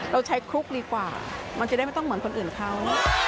เราใช้คลุกดีกว่ามันจะได้ไม่ต้องเหมือนคนอื่นเขา